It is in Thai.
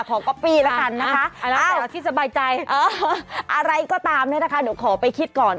ขอก๊อปปี้ละกันนะคะเอ้าอะไรก็ตามนี่นะคะเดี๋ยวขอไปคิดก่อน